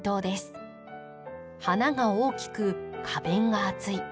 花が大きく花弁が厚い。